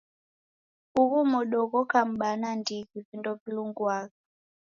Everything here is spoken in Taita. Ughu modo ghoka m'baa nandighi, vindo vilunguagha!